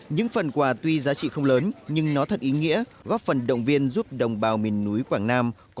những phần quà tuy giá trị không lớn nhưng nó thật ý nghĩa góp phần động viên giúp đồng bào miền núi quảng nam